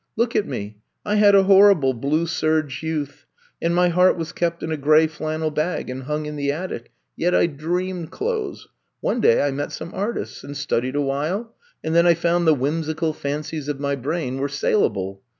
Look at me. I had a horrible blue serge youth, and my heart was kept in a gray flannel bag and hung in the attic. Yet I dreamed clothes. One day I met some artists and studied a 24 I'VE COME TO STAY while and then I found the whimsical fan cies of my brain were salable.